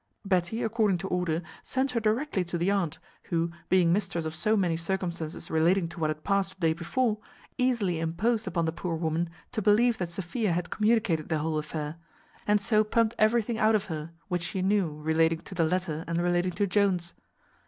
Betty, according to order, sent her directly to the aunt; who, being mistress of so many circumstances relating to what had past the day before, easily imposed upon the poor woman to believe that Sophia had communicated the whole affair; and so pumped everything out of her which she knew relating to the letter and relating to Jones.